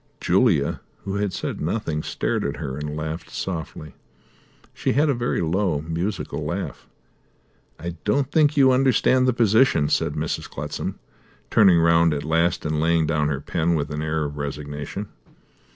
Julia, who had said nothing, stared at her, and laughed softly. She had a very low, musical laugh. "I don't think you understand the position," said Mrs. Clutsam, turning round at last and laying down her pen with an air of resignation.